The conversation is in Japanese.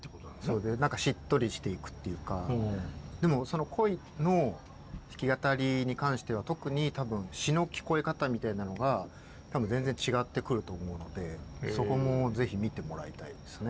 何かしっとりしていくっていうかその「恋」の弾き語りに関しては特に詞の聞こえ方みたいなのが多分全然違ってくると思うのでそこもぜひ見てもらいたいですね。